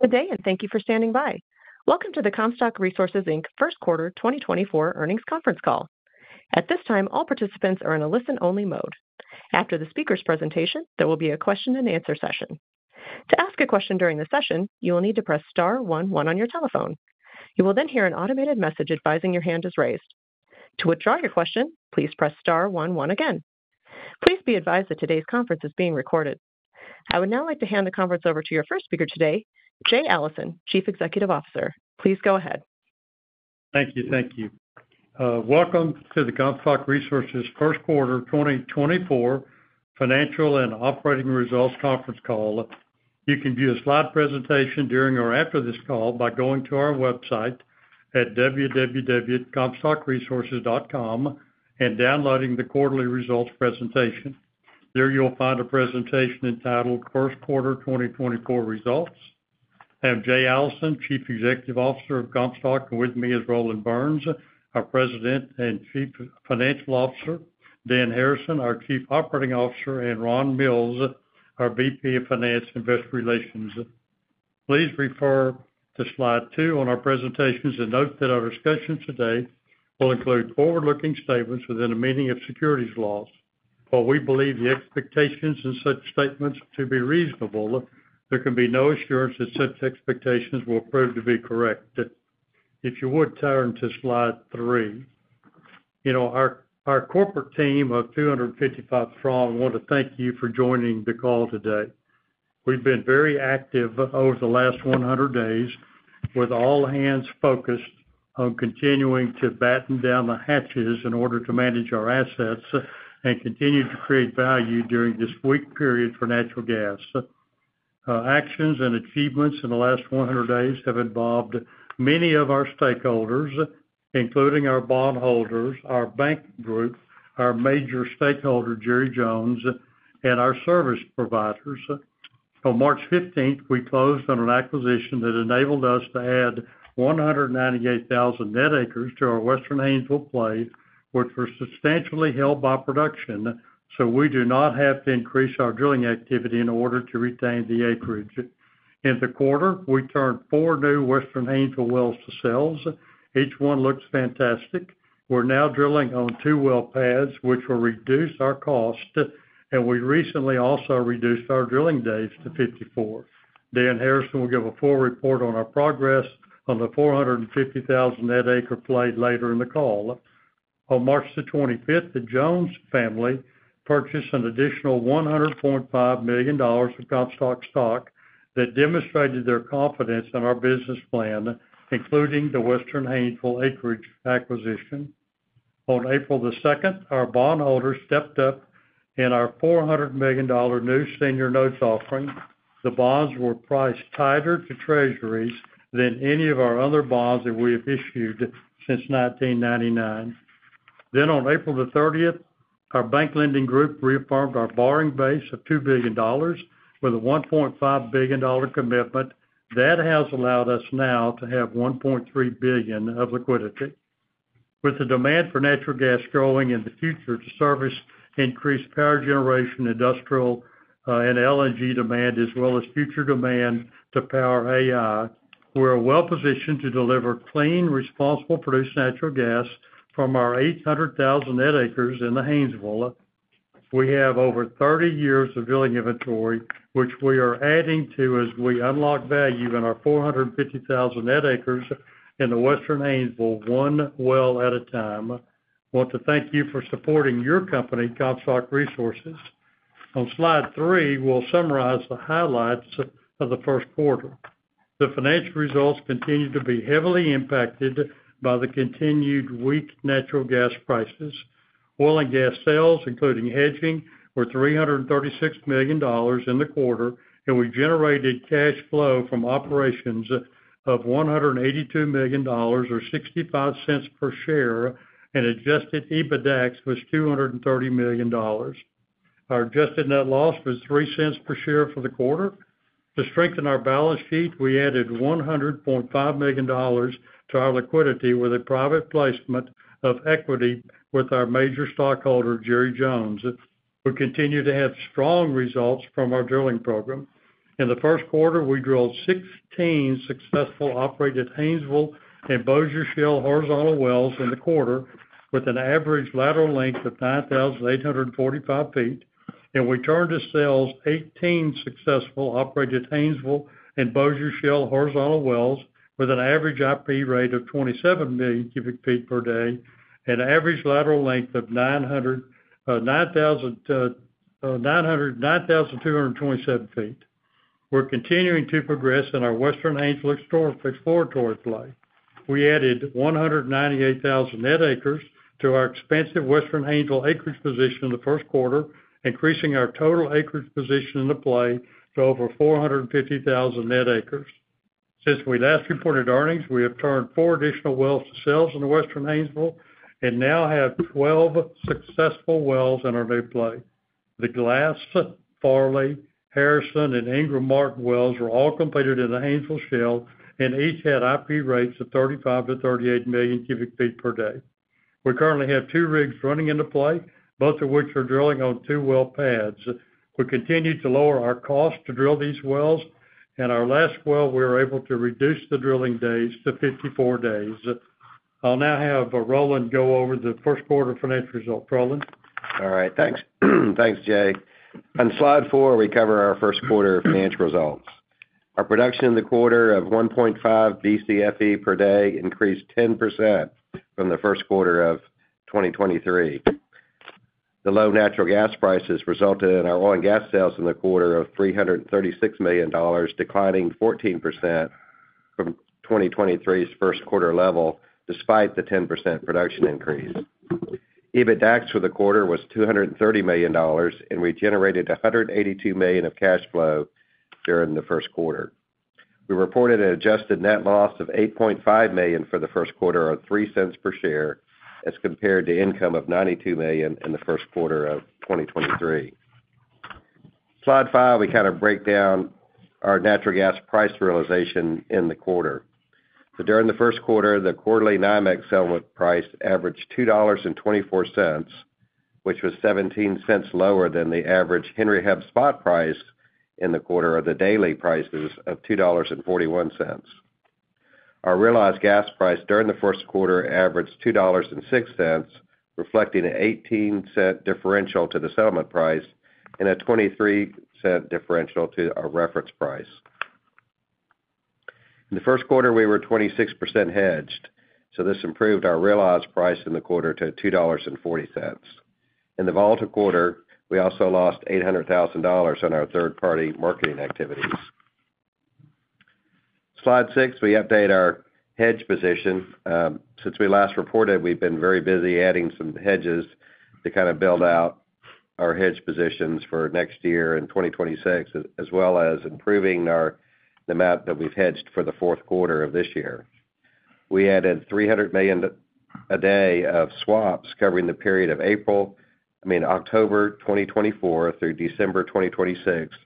Good day, and thank you for standing by. Welcome to the Comstock Resources Inc. First Quarter 2024 Earnings Conference Call. At this time, all participants are in a listen-only mode. After the speaker's presentation, there will be a Q&A session. To ask a question during the session, you will need to press star one one on your telephone. You will then hear an automated message advising your hand is raised. To withdraw your question, please press star one one again. Please be advised that today's conference is being recorded. I would now like to hand the conference over to your first speaker today, Jay Allison, Chief Executive Officer. Please go ahead. Thank you. Thank you. Welcome to the Comstock Resources First Quarter 2024 Financial and Operating Results Conference Call. You can view a slide presentation during or after this call by going to our website at www.comstockresources.com and downloading the quarterly results presentation. There you'll find a presentation entitled First Quarter 2024 Results. I am Jay Allison, Chief Executive Officer of Comstock, and with me is Roland Burns, our President and Chief Financial Officer, Dan Harrison, our Chief Operating Officer, and Ron Mills, our VP of Finance and Investor Relations. Please refer to slide two on our presentations and note that our discussion today will include forward-looking statements within the meaning of securities laws. While we believe the expectations in such statements to be reasonable, there can be no assurance that such expectations will prove to be correct. If you would turn to slide three. Our corporate team of 255 strong want to thank you for joining the call today. We've been very active over the last 100 days, with all hands focused on continuing to batten down the hatches in order to manage our assets and continue to create value during this weak period for natural gas. Actions and achievements in the last 100 days have involved many of our stakeholders, including our bondholders, our bank group, our major stakeholder, Jerry Jones, and our service providers. On March 15, we closed on an acquisition that enabled us to add 198,000 net acres to our Western Haynesville play, which were substantially held by production, so we do not have to increase our drilling activity in order to retain the acreage. In the quarter, we turned four new Western Haynesville wells to sales. Each one looks fantastic. We're now drilling on two well pads, which will reduce our cost, and we recently also reduced our drilling days to 54. Dan Harrison will give a full report on our progress on the 450,000 net acre play later in the call. On March 25, the Jones family purchased an additional $145 million of Comstock stock that demonstrated their confidence in our business plan, including the Western Haynesville acreage acquisition. On April 2, our bondholders stepped up in our $400 million new senior notes offering. The bonds were priced tighter to treasuries than any of our other bonds that we have issued since 1999. Then on April 30, our bank lending group reaffirmed our borrowing base of $2 billion with a $1.5 billion commitment. That has allowed us now to have $1.3 billion of liquidity. With the demand for natural gas growing in the future to service increased power generation, industrial, and LNG demand, as well as future demand to power AI, we're well positioned to deliver clean, responsible, produced natural gas from our 800,000 net acres in the Haynesville. We have over 30 years of drilling inventory, which we are adding to as we unlock value in our 450,000 net acres in the Western Haynesville, one well at a time. I want to thank you for supporting your company, Comstock Resources. On slide three, we'll summarize the highlights of the first quarter. The financial results continued to be heavily impacted by the continued weak natural gas prices. Oil and gas sales, including hedging, were $336 million in the quarter, and we generated cash flow from operations of $182 million or $0.65 per share, and adjusted EBITDAX was $230 million. Our adjusted net loss was $0.03 per share for the quarter. To strengthen our balance sheet, we added $145 million to our liquidity with a private placement of equity with our major stockholder, Jerry Jones, who continued to have strong results from our drilling program. In the first quarter, we drilled 16 successful operated Haynesville and Bossier Shale horizontal wells in the quarter, with an average lateral length of 9,845 feet, and we turned to sales 18 successful operated Haynesville and Bossier Shale horizontal wells with an average IP rate of 27 million cubic feet per day and an average lateral length of 9,227 feet. We're continuing to progress in our Western Haynesville exploratory play. We added 198,000 net acres to our expansive Western Haynesville acreage position in the first quarter, increasing our total acreage position in the play to over 450,000 net acres. Since we last reported earnings, we have turned four additional wells to sales in the Western Haynesville and now have 12 successful wells in our new play. The Glass, Farley, Harrison, and Ingram Martin wells were all completed in the Haynesville Shale, and each had IP rates of 35 million-38 million cubic feet per day. We currently have 2 rigs running into play, both of which are drilling on two well pads. We continue to lower our cost to drill these wells, and our last well, we were able to reduce the drilling days to 54 days. I'll now have Roland go over the first quarter financial result. Roland? All right. Thanks. Thanks, Jay. On slide four, we cover our first quarter financial results. Our production in the quarter of 1.5 Bcfe per day increased 10% from the first quarter of 2023. The low natural gas prices resulted in our oil and gas sales in the quarter of $336 million, declining 14% from 2023's first quarter level, despite the 10% production increase. EBITDAX for the quarter was $230 million, and we generated $182 million of cash flow during the first quarter. We reported an adjusted net loss of $8.5 million for the first quarter, or $0.03 per share, as compared to income of $92 million in the first quarter of 2023. Slide five, we kind of break down our natural gas price realization in the quarter. During the first quarter, the quarterly NYMEX settlement price averaged $2.24, which was 17 cents lower than the average Henry Hub spot price in the quarter, or the daily prices of $2.41. Our realized gas price during the first quarter averaged $2.06, reflecting an $0.18 differential to the settlement price and a $0.23 differential to our reference price. In the first quarter, we were 26% hedged, so this improved our realized price in the quarter to $2.40. In the volatile quarter, we also lost $800,000 on our third-party marketing activities. Slide six, we update our hedge position. Since we last reported, we've been very busy adding some hedges to kind of build out our hedge positions for next year in 2026, as well as improving the amount that we've hedged for the fourth quarter of this year. We added 300 million a day of swaps covering the period of October 2024 through December 2026,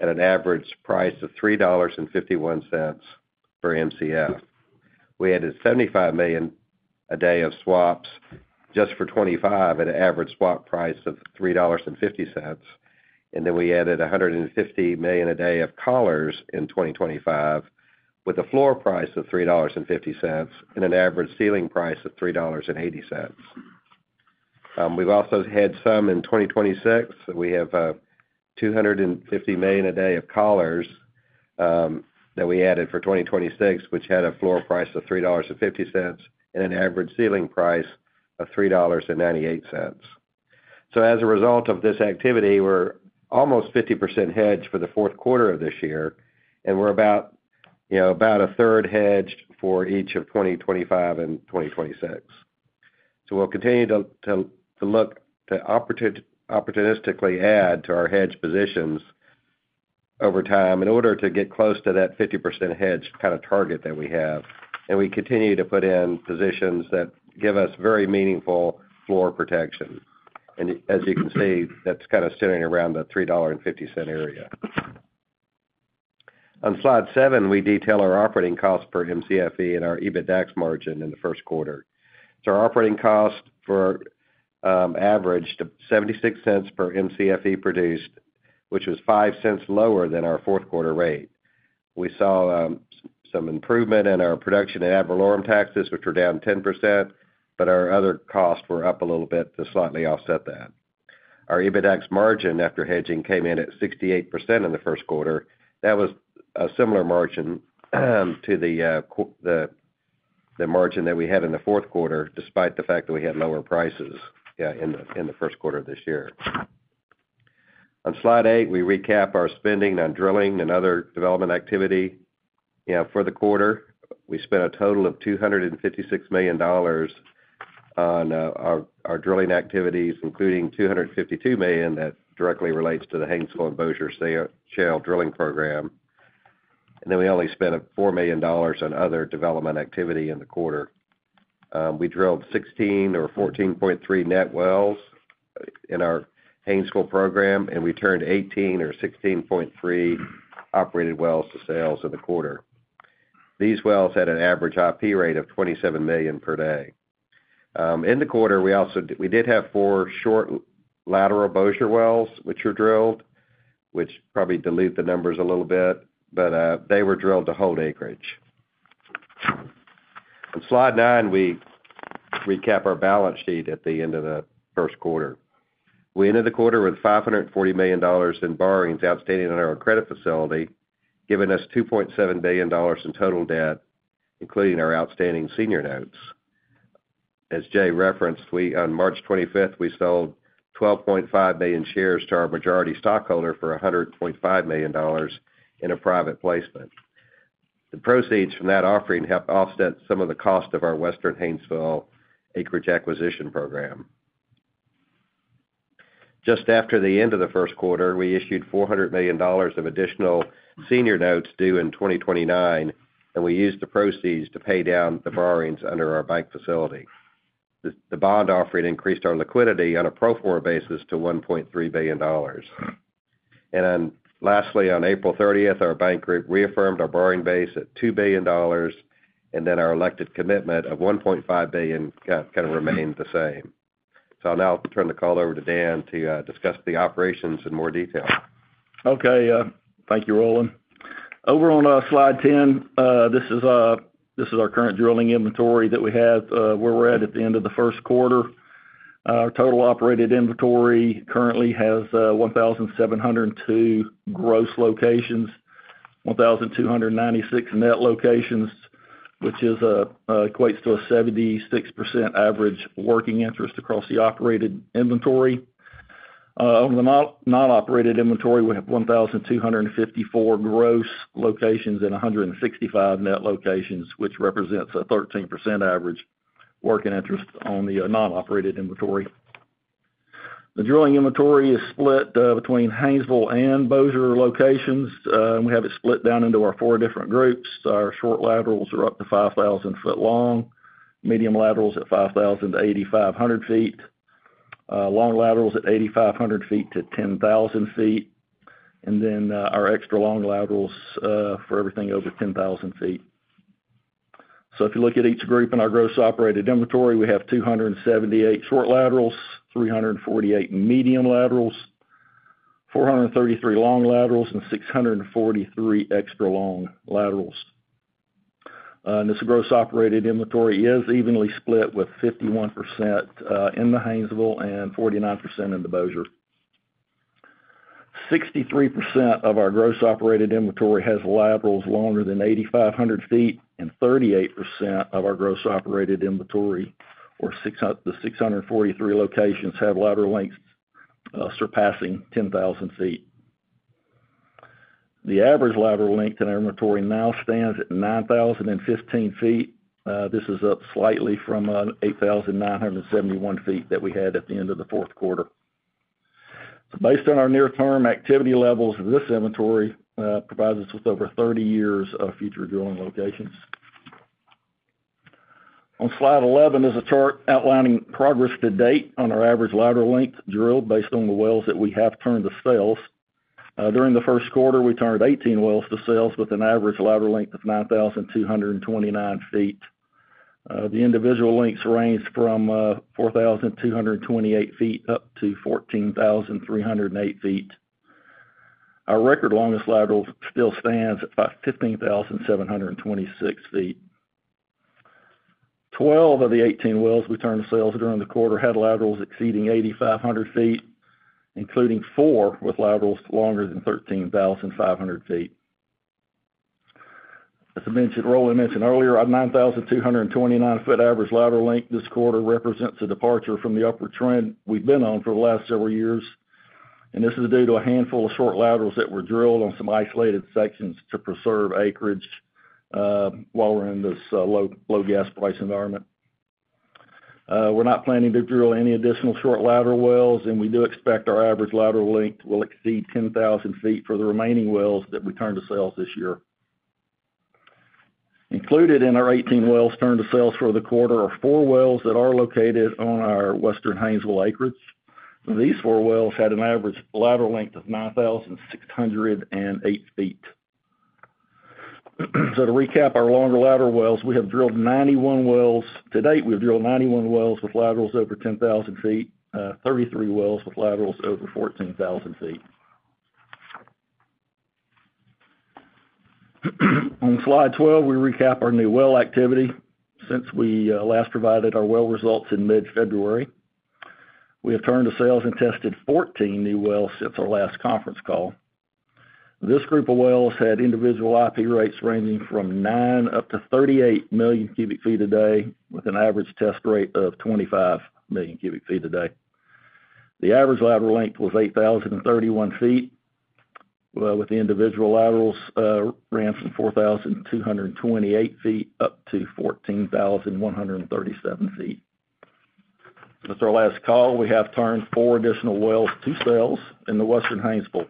at an average price of $3.51/Mcf. We added 75 million a day of swaps just for 2025 at an average swap price of $3.50, and then we added 150 million a day of collars in 2025, with a floor price of $3.50 and an average ceiling price of $3.80. We've also hedged some in 2026. We have $250 million a day of collars that we added for 2026, which had a floor price of $3.50 and an average ceiling price of $3.98. So as a result of this activity, we're almost 50% hedged for the fourth quarter of this year, and we're about a third hedged for each of 2025 and 2026. So we'll continue to look to opportunistically add to our hedged positions over time in order to get close to that 50% hedged target that we have, and we continue to put in positions that give us very meaningful floor protection. And as you can see, that's kind of sitting around the $3.50 area. On Slide seven, we detail our operating cost per Mcfe and our EBITDAX margin in the first quarter. So our operating cost averaged to $0.76/Mcfe produced, which was $0.05 lower than our fourth quarter rate. We saw some improvement in our production and ad valorem taxes, which were down 10%, but our other costs were up a little bit to slightly offset that. Our EBITDAX margin after hedging came in at 68% in the first quarter. That was a similar margin to the margin that we had in the fourth quarter, despite the fact that we had lower prices in the first quarter of this year. On slide eight, we recap our spending on drilling and other development activity. You know, for the quarter, we spent a total of $256 million on our drilling activities, including $252 million that directly relates to the Haynesville and Bossier Shale drilling program. And then we only spent $4 million on other development activity in the quarter. We drilled 16 or 14.3 net wells in our Haynesville program, and we turned 18 or 16.3 operated wells to sales in the quarter. These wells had an average IP rate of 27 million per day. In the quarter, we also did have four short lateral Bossier wells, which were drilled, which probably dilute the numbers a little bit, but they were drilled to hold acreage. On slide nine, we recap our balance sheet at the end of the first quarter. We ended the quarter with $540 million in borrowings outstanding on our credit facility, giving us $2.7 billion in total debt, including our outstanding senior notes. As Jay referenced, we on March 25 we sold 12.5 million shares to our majority stockholder for $100.5 million in a private placement. The proceeds from that offering helped offset some of the cost of our Western Haynesville acreage acquisition program. Just after the end of the first quarter, we issued $400 million of additional senior notes due in 2029, and we used the proceeds to pay down the borrowings under our bank facility. The bond offering increased our liquidity on a pro forma basis to $1.3 billion. Then lastly, on April 30th, our bank group reaffirmed our borrowing base at $2 billion, and then our elected commitment of $1.5 billion remained the same. So I'll now turn the call over to Dan to discuss the operations in more detail. Okay, thank you, Roland. Over on slide 10, this is our current drilling inventory that we have, where we're at, at the end of the first quarter. Our total operated inventory currently has 1,702 gross locations, 1,296 net locations, which equates to a 76% average working interest across the operated inventory. On the non-operated inventory, we have 1,254 gross locations and 165 net locations, which represents a 13% average working interest on the non-operated inventory. The drilling inventory is split between Haynesville and Bossier locations. We have it split down into our four different groups. Our short laterals are up to 5,000 feet long, medium laterals at 5,000-8,500 feet, long laterals at 8,500-10,000 feet, and then our extra long laterals for everything over 10,000 feet. So if you look at each group in our gross operated inventory, we have 278 short laterals, 348 medium laterals, 433 long laterals, and 643 extra long laterals. And this gross operated inventory is evenly split with 51% in the Haynesville and 49% in the Bossier. 63% of our gross operated inventory has laterals longer than 8,500 feet, and 38% of our gross operated inventory, or the 643 locations, have lateral lengths surpassing 10,000 feet. The average lateral length in our inventory now stands at 9,015 feet. This is up slightly from 8,971 feet that we had at the end of the fourth quarter. Based on our near-term activity levels, this inventory provides us with over 30 years of future drilling locations. On Slide 11 is a chart outlining progress to date on our average lateral length drilled based on the wells that we have turned to sales. During the first quarter, we turned 18 wells to sales with an average lateral length of 9,229 feet. The individual lengths range from 4,228 feet up to 14,308 feet. Our record longest lateral still stands at 15,726 feet. 12 of the 18 wells we turned to sales during the quarter had laterals exceeding 8,500 feet, including four with laterals longer than 13,500 feet. As I mentioned, Roland mentioned earlier, our 9,229-foot average lateral length this quarter represents a departure from the upward trend we've been on for the last several years, and this is due to a handful of short laterals that were drilled on some isolated sections to preserve acreage, while we're in this, low, low gas price environment. We're not planning to drill any additional short lateral wells, and we do expect our average lateral length will exceed 10,000 feet for the remaining wells that we turn to sales this year. Included in our 18 wells turned to sales for the quarter are four wells that are located on our Western Haynesville acreage. These four wells had an average lateral length of 9,608 feet. So to recap our longer lateral wells, we have drilled 91 wells. To date, we've drilled 91 wells with laterals over 10,000 feet, 33 wells with laterals over 14,000 feet. On slide 12, we recap our new well activity since we last provided our well results in mid-February. We have turned to sales and tested 14 new wells since our last conference call. This group of wells had individual IP rates ranging from 9 million up to 38 million cubic feet a day, with an average test rate of 25 million cubic feet a day. The average lateral length was 8,031 feet, with the individual laterals ranging from 4,228 feet up to 14,137 feet. Since our last call, we have turned four additional wells to sales in the Western Haynesville.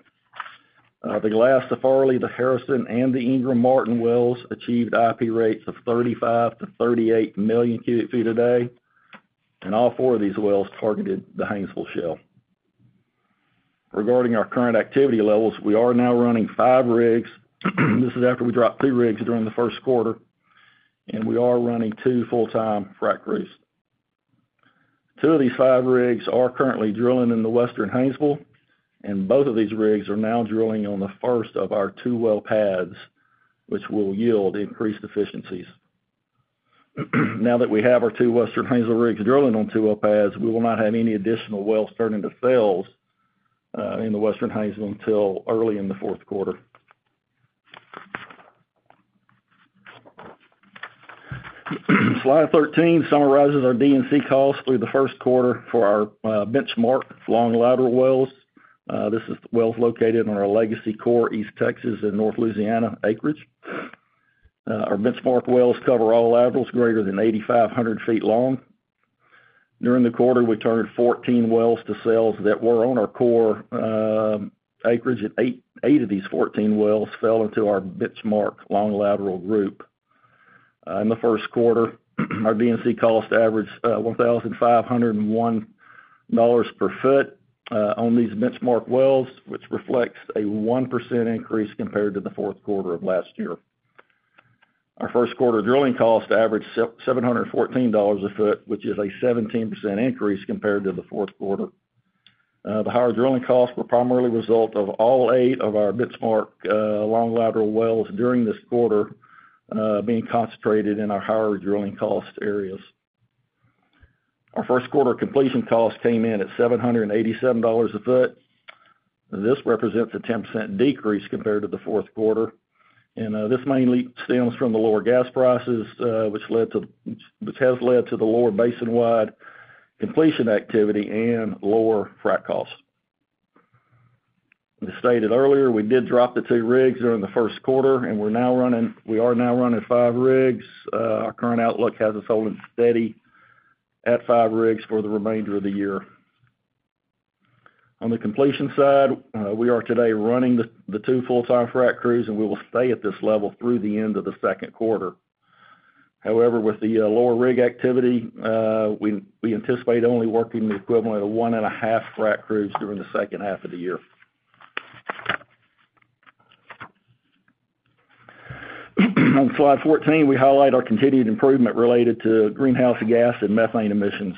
The Glass, Farley, the Harrison, and the Ingram Martin wells achieved IP rates of 35 million-38 million cubic feet a day, and all four of these wells targeted the Haynesville Shale. Regarding our current activity levels, we are now running five rigs, and this is after we dropped three rigs during the first quarter, and we are running two full-time frac crews. Two of these five rigs are currently drilling in the Western Haynesville, and both of these rigs are now drilling on the first of our two well pads, which will yield increased efficiencies. Now that we have our two Western Haynesville rigs drilling on two well pads, we will not have any additional wells turning to sales in the Western Haynesville until early in the fourth quarter. Slide 13 summarizes our D&C costs through the first quarter for our benchmark long lateral wells. This is wells located in our legacy core East Texas and North Louisiana acreage. Our benchmark wells cover all laterals greater than 8,500 feet long. During the quarter, we turned 14 wells to sales that were on our core acreage, and eight of these 14 wells fell into our benchmark long lateral group. In the first quarter, our D&C cost averaged $1,501 per foot on these benchmark wells, which reflects a 1% increase compared to the fourth quarter of last year. Our first quarter drilling cost averaged $714 a foot, which is a 17% increase compared to the fourth quarter. The higher drilling costs were primarily a result of all eight of our benchmark long lateral wells during this quarter being concentrated in our higher drilling cost areas. Our first quarter completion costs came in at $787 a foot. This represents a 10% decrease compared to the fourth quarter, and this mainly stems from the lower gas prices, which has led to the lower basin-wide completion activity and lower frac costs. As stated earlier, we did drop the two rigs during the first quarter, and we are now running five rigs. Our current outlook has us holding steady at five rigs for the remainder of the year. On the completion side, we are today running the two full-time frac crews, and we will stay at this level through the end of the second quarter. However, with the lower rig activity, we anticipate only working the equivalent of one and a half frac crews during the second half of the year. On slide 14, we highlight our continued improvement related to greenhouse gas and methane emissions.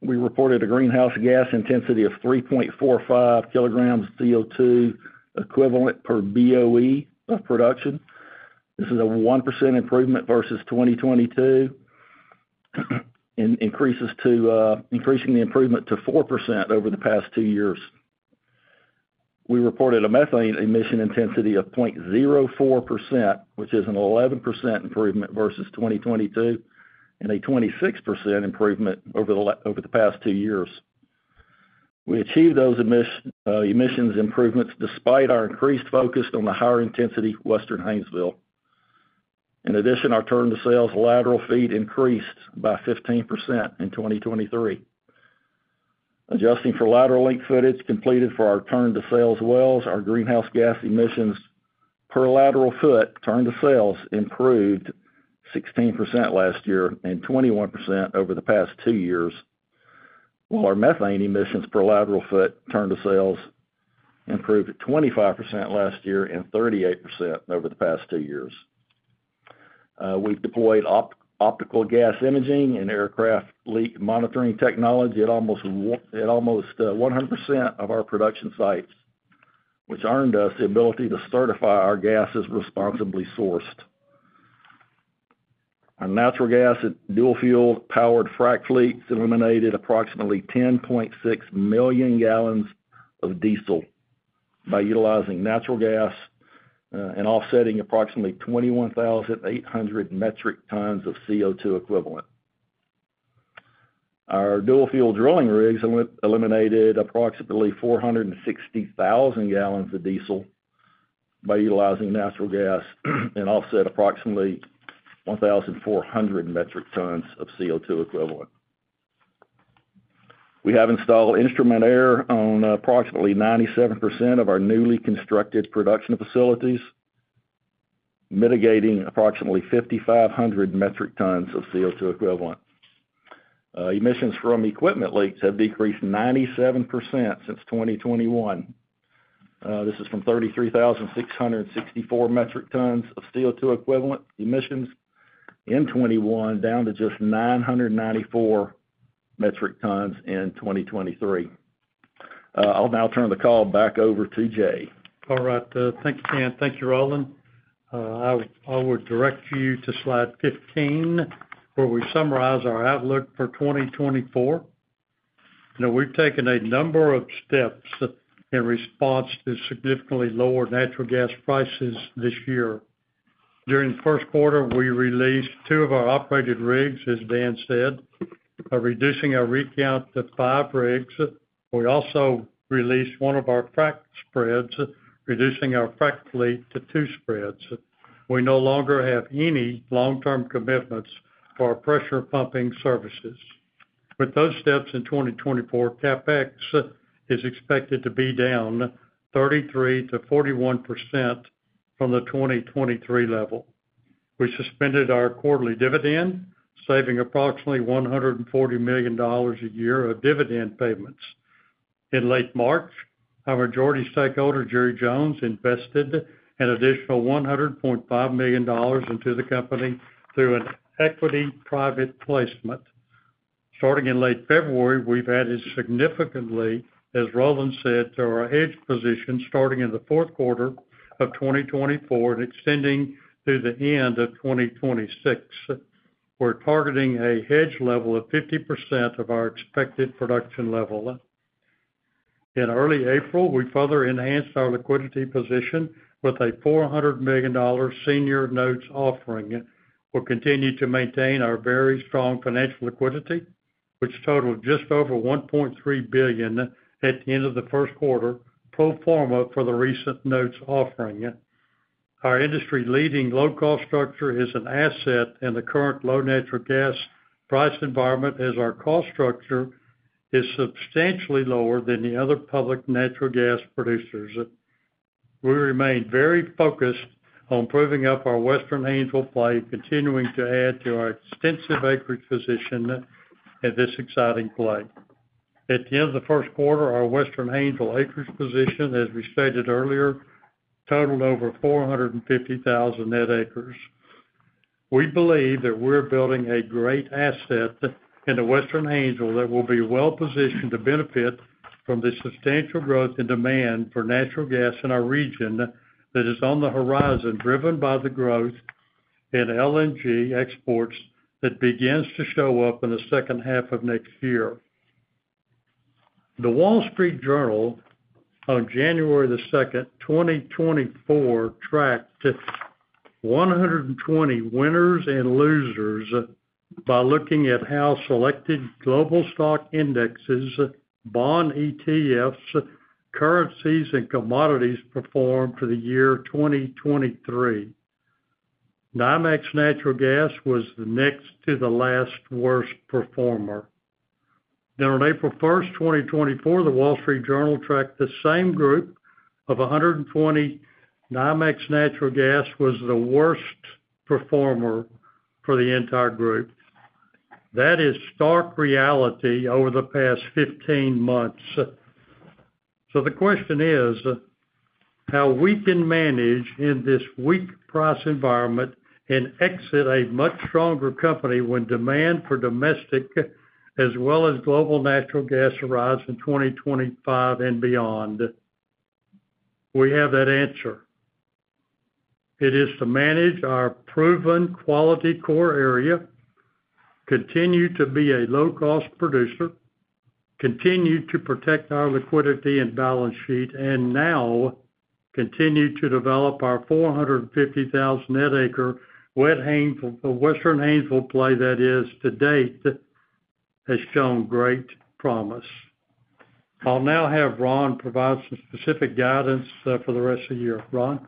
We reported a greenhouse gas intensity of 3.45 kg of CO2 equivalent per BOE of production. This is a 1% improvement versus 2022, and increasing the improvement to 4% over the past two years. We reported a methane emission intensity of 0.04%, which is an 11% improvement versus 2022, and a 26% improvement over the past two years. We achieved those emissions improvements despite our increased focus on the higher intensity Western Haynesville. In addition, our turn-to-sales lateral feet increased by 15% in 2023. Adjusting for lateral length footage completed for our turn-to-sales wells, our greenhouse gas emissions per lateral foot, turn-to-sales, improved 16% last year and 21% over the past two years, while our methane emissions per lateral foot, turn-to-sales, improved 25% last year and 38% over the past two years. We've deployed optical gas imaging and aircraft leak monitoring technology at almost 100% of our production sites, which earned us the ability to certify our gas as responsibly sourced. Our natural gas and dual fuel powered frac fleets eliminated approximately 10.6 million gallons of diesel by utilizing natural gas and offsetting approximately 21,800 metric tons of CO2 equivalent. Our dual fuel drilling rigs eliminated approximately 460,000 gallons of diesel by utilizing natural gas and offset approximately 1,400 metric tons of CO2 equivalent. We have installed instrument air on approximately 97% of our newly constructed production facilities, mitigating approximately 5,500 metric tons of CO2 equivalent. Emissions from equipment leaks have decreased 97% since 2021. This is from 33,664 metric tons of CO2 equivalent emissions in 2021, down to just 994 metric tons in 2023. I'll now turn the call back over to Jay. All right, thank you, Dan. Thank you, Roland. I would direct you to slide 15, where we summarize our outlook for 2024. Now, we've taken a number of steps in response to significantly lower natural gas prices this year. During the first quarter, we released two of our operated rigs, as Dan said, by reducing our rig count to five rigs. We also released one of our frac spreads, reducing our frac fleet to two spreads. We no longer have any long-term commitments for our pressure pumping services. With those steps in 2024, CapEx is expected to be down 33%-41% from the 2023 level. We suspended our quarterly dividend, saving approximately $140 million a year of dividend payments. In late March, our majority stockholder, Jerry Jones, invested an additional $100.5 million into the company through an equity private placement. Starting in late February, we've added significantly, as Roland said, to our hedge position starting in the fourth quarter of 2024 and extending through the end of 2026. We're targeting a hedge level of 50% of our expected production level. In early April, we further enhanced our liquidity position with a $400 million senior notes offering. We'll continue to maintain our very strong financial liquidity, which totaled just over $1.3 billion at the end of the first quarter, pro forma for the recent notes offering. Our industry-leading low-cost structure is an asset in the current low natural gas price environment, as our cost structure is substantially lower than the other public natural gas producers.... We remain very focused on proving up our Western Haynesville play, continuing to add to our extensive acreage position at this exciting play. At the end of the first quarter, our Western Haynesville acreage position, as we stated earlier, totaled over 450,000 net acres. We believe that we're building a great asset in the Western Haynesville that will be well positioned to benefit from the substantial growth and demand for natural gas in our region that is on the horizon, driven by the growth in LNG exports that begins to show up in the second half of next year. The Wall Street Journal, on January 2, 2024, tracked 120 winners and losers by looking at how selected global stock indexes, bond ETFs, currencies, and commodities performed for the year 2023. NYMEX natural gas was the next to the last worst performer. Then on April 1, 2024, The Wall Street Journal tracked the same group of 120. NYMEX natural gas was the worst performer for the entire group. That is stark reality over the past 15 months. So the question is, how we can manage in this weak price environment and exit a much stronger company when demand for domestic as well as global natural gas arrives in 2025 and beyond? We have that answer. It is to manage our proven quality core area, continue to be a low-cost producer, continue to protect our liquidity and balance sheet, and now continue to develop our 450,000 net acre Western Haynesville play, that is, to date, has shown great promise. I'll now have Ron provide some specific guidance for the rest of the year. Ron?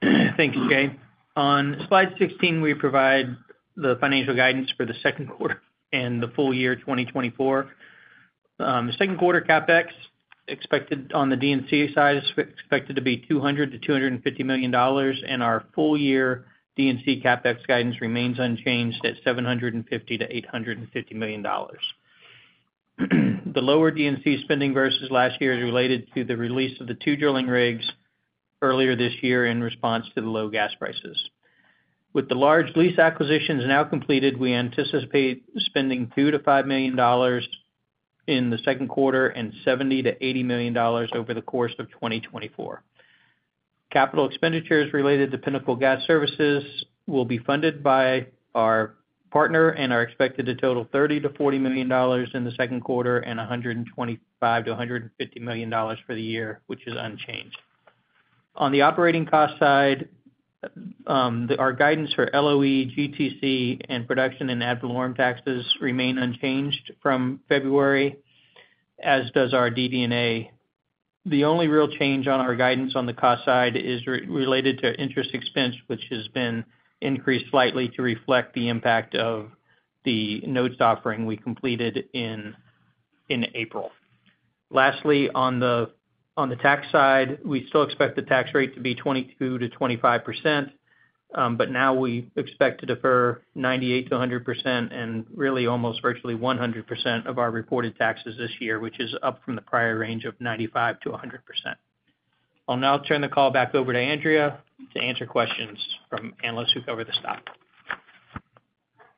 Thank you, Jay. On slide 16, we provide the financial guidance for the second quarter and the full year 2024. The second quarter CapEx expected on the D&C side is expected to be $200 million-$250 million, and our full year D&C CapEx guidance remains unchanged at $750 million-$850 million. The lower D&C spending versus last year is related to the release of the two drilling rigs earlier this year in response to the low gas prices. With the large lease acquisitions now completed, we anticipate spending $2 million-$5 million in the second quarter and $70 million-$80 million over the course of 2024. Capital expenditures related to Pinnacle Gas Services will be funded by our partner and are expected to total $30 million-$40 million in the second quarter and $125 million-$150 million for the year, which is unchanged. On the operating cost side, our guidance for LOE, GTC, and production and ad valorem taxes remain unchanged from February, as does our DD&A. The only real change on our guidance on the cost side is related to interest expense, which has been increased slightly to reflect the impact of the notes offering we completed in April. Lastly, on the tax side, we still expect the tax rate to be 22%-25%, but now we expect to defer 98%-100% and really almost virtually 100% of our reported taxes this year, which is up from the prior range of 95%-100%. I'll now turn the call back over to Andrea to answer questions from analysts who cover the stock.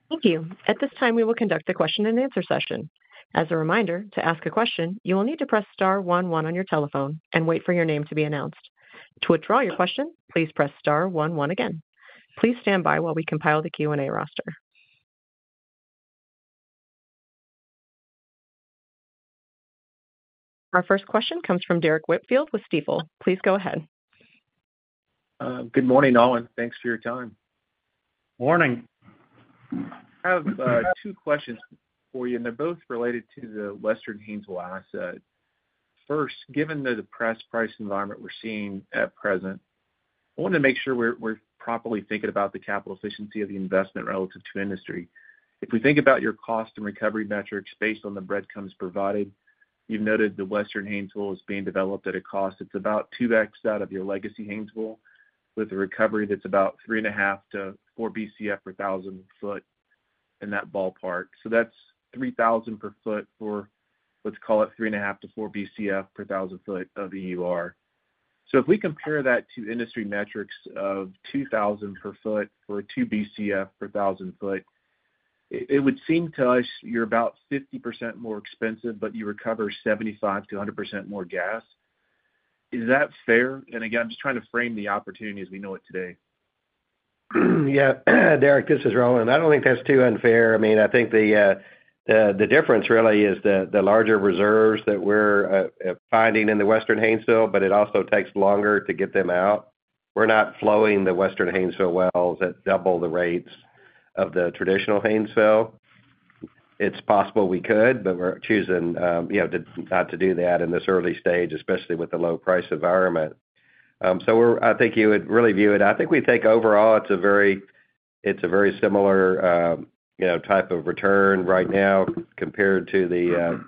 Thank you. At this time, we will conduct a Q&A session. As a reminder, to ask a question, you will need to press star one one on your telephone and wait for your name to be announced. To withdraw your question, please press star one one again. Please stand by while we compile the Q&A roster. Our first question comes from Derrick Whitfield with Stifel. Please go ahead. Good morning, all, and thanks for your time. Morning. I have two questions for you, and they're both related to the Western Haynesville asset. First, given the depressed price environment we're seeing at present, I wanted to make sure we're properly thinking about the capital efficiency of the investment relative to industry. If we think about your cost and recovery metrics based on the breadcrumbs provided, you've noted the Western Haynesville is being developed at a cost that's about 2x out of your legacy Haynesville, with a recovery that's about 3.5-4 Bcf per 1,000 foot in that ballpark. So that's 3,000 per foot for, let's call it, 3.5-4 Bcf per 1,000 foot of EUR. If we compare that to industry metrics of 2,000 per foot or 2 Bcf per 1,000 foot, it would seem to us you're about 50% more expensive, but you recover 75%-100% more gas. Is that fair? And again, I'm just trying to frame the opportunity as we know it today. Yeah, Derrick, this is Roland. I don't think that's too unfair. I mean, I think the difference really is the larger reserves that we're finding in the Western Haynesville, but it also takes longer to get them out. We're not flowing the Western Haynesville wells at double the rates of the traditional Haynesville. It's possible we could, but we're choosing to not do that in this early stage, especially with the low price environment. So, we're, I think you would really view it. I think we think overall it's a very type of return right now compared to the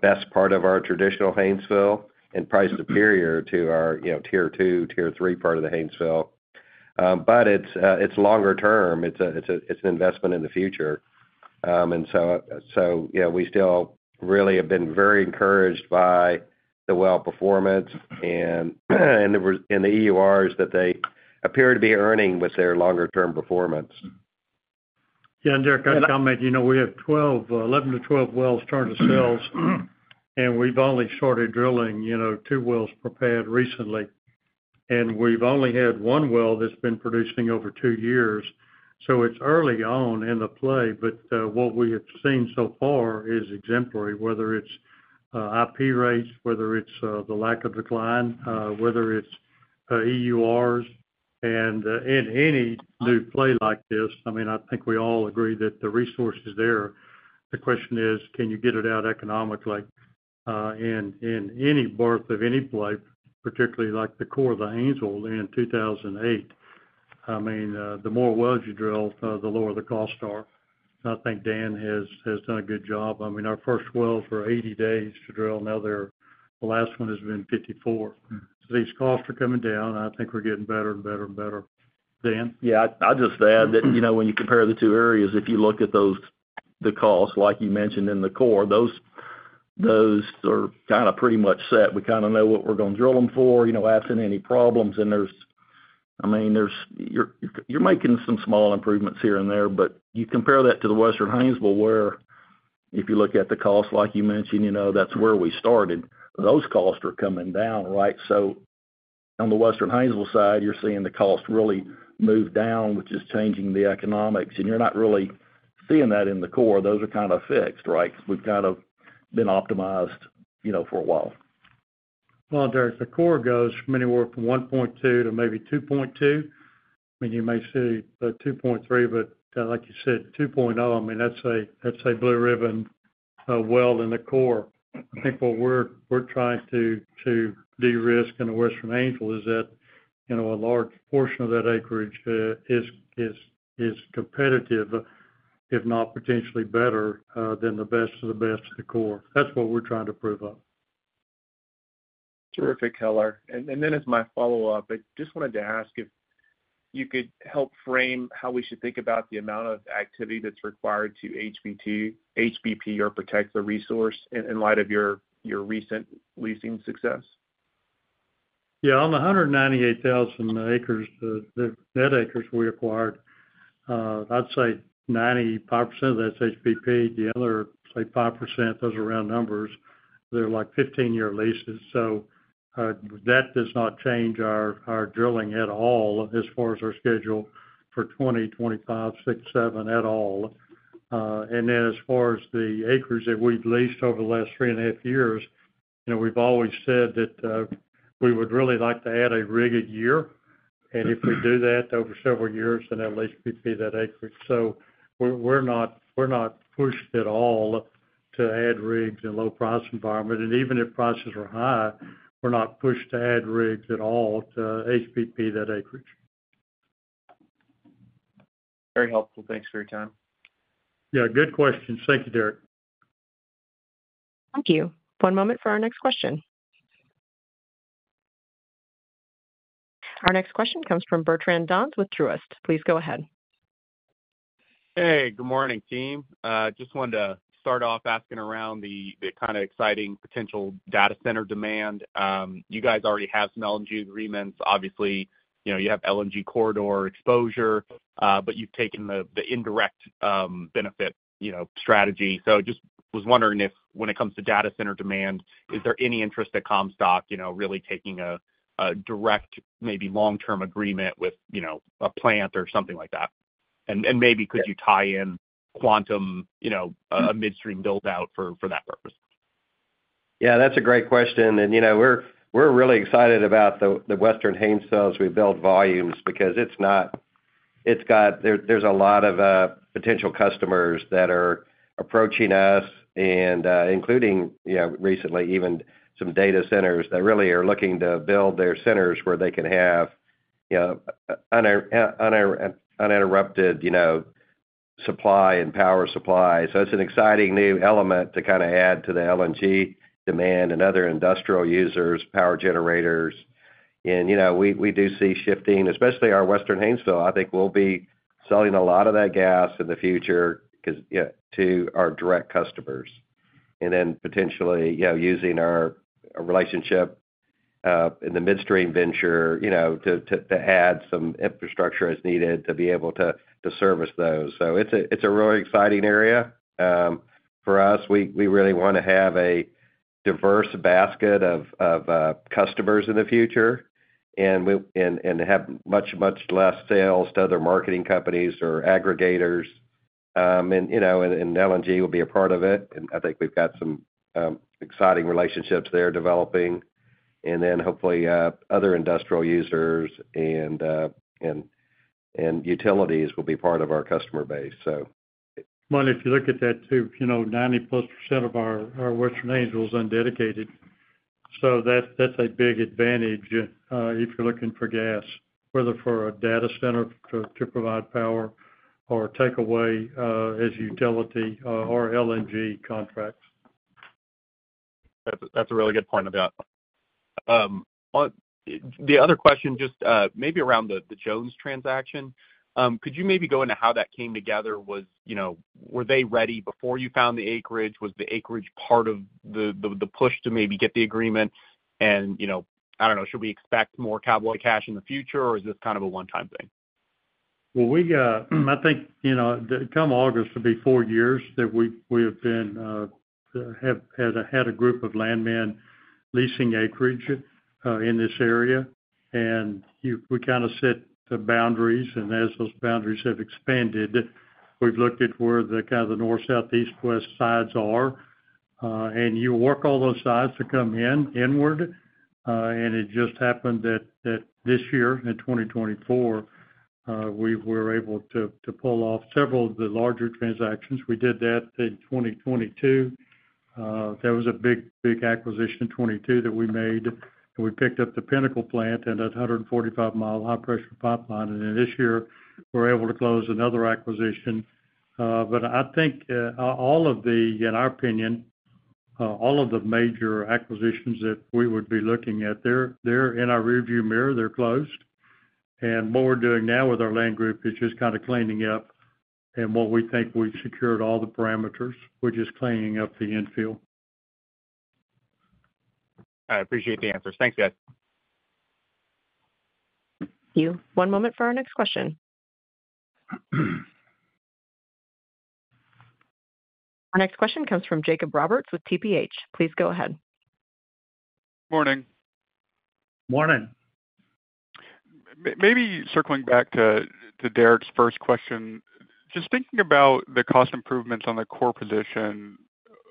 best part of our traditional Haynesville and priced superior to our tier two, tier three part of the Haynesville. But it's longer-term. It's an investment in the future. And so we still really have been very encouraged by the well performance and the EURs that they appear to be earning with their longer-term performance. Yeah, and Derrick, I'd comment, you know, we have 12, 11-12 wells turned to sales, and we've only started drilling two wells per pad recently. And we've only had one well that's been producing over two years, so it's early on in the play, but what we have seen so far is exemplary, whether it's IP rates, whether it's the lack of decline, whether it's EURs. And in any new play like this, I mean, I think we all agree that the resource is there. The question is, can you get it out economically? And in any birth of any play, particularly like the core of the Haynesville in 2008, I mean, the more wells you drill, the lower the costs are. And I think Dan has done a good job. I mean, our first wells were 80 days to drill. Now, they're, the last one has been 54. These costs are coming down, and I think we're getting better and better and better. Dan? Yeah, I'd just add that, when you compare the two areas, if you look at those, the costs, like you mentioned in the core, those are kind of pretty much set. We kind of know what we're going to drill them for, absent any problems. And there's, you're making some small improvements here and there, but you compare that to the Western Haynesville, where if you look at the cost, like you mentioned, that's where we started. Those costs are coming down, right? So on the Western Haynesville side, you're seeing the cost really move down, which is changing the economics, and you're not really seeing that in the core. Those are kind of fixed, right? We've kind of been optimized for a while. Well, Derek, the core goes from anywhere from 1.2 to maybe 2.2, and you may see a 2.3, but like you said, 2.0, I mean, that's a blue-ribbon well in the core. I think what we're trying to de-risk in the Western Haynesville is that, a large portion of that acreage is competitive, if not potentially better than the best of the best of the core. That's what we're trying to prove up. Terrific color. Then, as my follow-up, I just wanted to ask if you could help frame how we should think about the amount of activity that's required to HBP or protect the resource in light of your recent leasing success? Yeah, on the 198,000 acres, the net acres we acquired, I'd say 95% of that's HBP. The other, say, 5%, those are round numbers, they're like 15-year leases. So, that does not change our drilling at all as far as our schedule for 2020, 2025, 2026, 2027, at all. And then as far as the acres that we've leased over the last three and a half years, we've always said that we would really like to add a rig a year. And if we do that over several years, then at least HBP that acreage. So we're not pushed at all to add rigs in a low price environment. And even if prices are high, we're not pushed to add rigs at all to HBP that acreage. Very helpful. Thanks for your time. Yeah, good question. Thank you, Derrick. Thank you. One moment for our next question. Our next question comes from Bertrand Donnes with Truist. Please go ahead. Hey, good morning, team. Just wanted to start off asking around the kind of exciting potential data center demand. You guys already have some LNG agreements. Obviously, you know, you have LNG corridor exposure, but you've taken the indirect benefit, you know, strategy. So just was wondering if, when it comes to data center demand, is there any interest at Comstock really taking a direct, maybe long-term agreement with, you know, a plant or something like that? And maybe could you tie in Quantum, a midstream build-out for that purpose? Yeah, that's a great question. And we're really excited about the Western Haynesville as we build volumes, because it's got, there's a lot of potential customers that are approaching us and, including, recently, even some data centers that really are looking to build their centers where they can have uninterrupted supply and power supply. So it's an exciting new element to kind of add to the LNG demand and other industrial users, power generators. And we do see shifting, especially our Western Haynesville. I think we'll be selling a lot of that gas in the future, because, yeah, to our direct customers. And then potentiallyusing our relationship in the midstream venture to add some infrastructure as needed to be able to service those. So it's a really exciting area for us. We really want to have a diverse basket of customers in the future and have much, much less sales to other marketing companies or aggregators. And LNG will be a part of it, and I think we've got some exciting relationships there developing. And then, hopefully, other industrial users and utilities will be part of our customer base, so. Well, if you look at that, too, 90+% of our Western Haynesville is undedicated. So that, that's a big advantage, if you're looking for gas, whether for a data center to provide power or take away, as utility, or LNG contracts. That's a really good point about. On the other question, just maybe around the Jones transaction. Could you maybe go into how that came together? Were they ready before you found the acreage? Was the acreage part of the push to maybe get the agreement? And I don't know, should we expect more cowboy cash in the future, or is this kind of a one-time thing? Well, I think come August, it'll be four years that we've had a group of landmen leasing acreage in this area. We kind of set the boundaries, and as those boundaries have expanded, we've looked at where the kind of the north, south, east, west sides are. And you work all those sides to come inward, and it just happened that this year, in 2024, we were able to pull off several of the larger transactions. We did that in 2022. That was a big acquisition, 2022, that we made, and we picked up the Pinnacle plant and that 145-mile high-pressure pipeline. And then this year, we're able to close another acquisition. But I think, in our opinion, all of the major acquisitions that we would be looking at, they're in our rearview mirror, they're closed. What we're doing now with our land group is just kind of cleaning up, and what we think we've secured all the parameters. We're just cleaning up the infield. I appreciate the answers. Thanks, guys. Thank you. One moment for our next question. Our next question comes from Jacob Roberts with TPH. Please go ahead. Morning. Morning. Maybe circling back to Derrick's first question. Just thinking about the cost improvements on the core position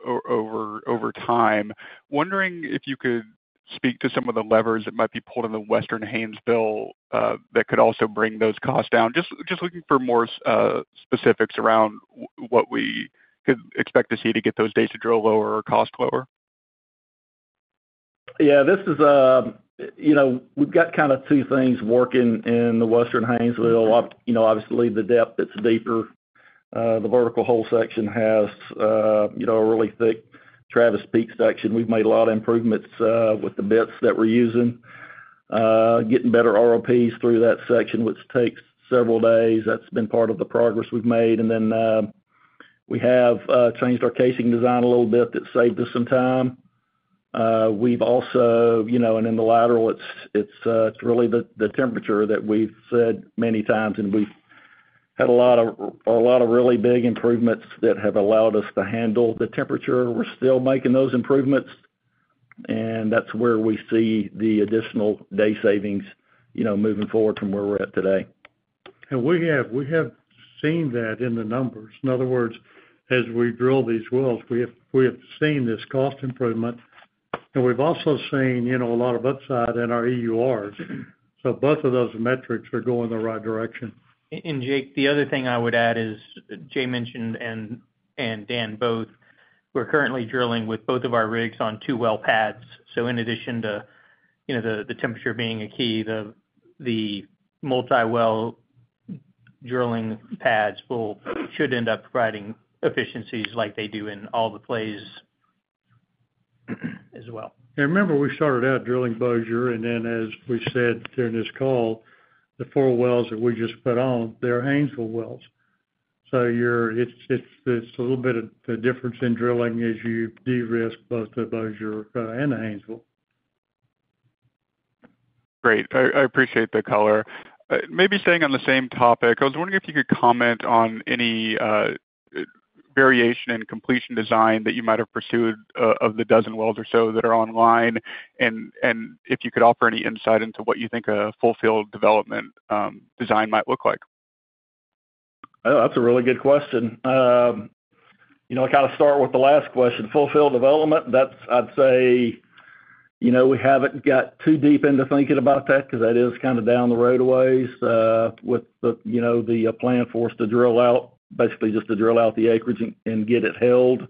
over time, wondering if you could speak to some of the levers that might be pulled in the Western Haynesville that could also bring those costs down. Just looking for more specifics around what we could expect to see to get those days to drill lower or cost lower. Yeah, this is, we've got kind of two things working in the Western Haynesville. You know, obviously, the depth, it's deeper. The vertical hole section has a really thick Travis Peak section. We've made a lot of improvements with the bits that we're using, getting better ROPs through that section, which takes several days. That's been part of the progress we've made. And then, we have changed our casing design a little bit. That saved us some time. We've also, and in the lateral, it's really the temperature that we've said many times, and we've had a lot of really big improvements that have allowed us to handle the temperature. We're still making those improvements, and that's where we see the additional day savings, moving forward from where we're at today. We have seen that in the numbers. In other words, as we drill these wells, we have seen this cost improvement, and we've also seen a lot of upside in our EURs. Both of those metrics are going in the right direction. Jake, the other thing I would add is, Jay mentioned, and Dan both, we're currently drilling with both of our rigs on two well pads. So in addition to the temperature being a key, the multi-well drilling pads will should end up providing efficiencies like they do in all the plays, as well. And remember, we started out drilling Bossier, and then as we said during this call, the four wells that we just put on, they're Haynesville wells. So you're, it's a little bit of the difference in drilling as you de-risk both the Bossier and the Haynesville. Great. I appreciate the color. Maybe staying on the same topic, I was wondering if you could comment on any variation in completion design that you might have pursued of the 12 wells or so that are online, and if you could offer any insight into what you think a full field development design might look like. Oh, that's a really good question. You know, I'll kind of start with the last question. Full field development, that's, I'd say we haven't got too deep into thinking about that because that is kind of down the road a ways. With the plan for us to drill out, basically just to drill out the acreage and get it held.